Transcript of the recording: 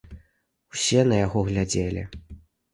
Усе на яго глядзелі.